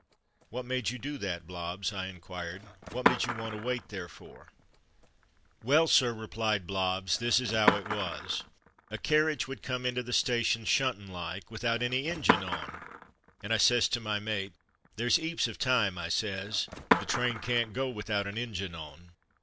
''What made you do that, Blobbs.?'' I inquired. "What did you want to wait there for?'' "Well, sir," replied Blobbs, "this is 'ow it was. A carriage would come into the sta tion, shuntin' like, without any injun on, and I says to my mate, 'There's 'eaps of time,' I says; 'the train can't go without an injun on.'